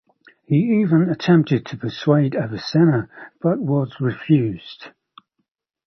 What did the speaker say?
He even attempted to persuade Avicenna, but was refused.